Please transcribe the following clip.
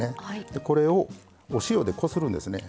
でこれをお塩でこするんですね。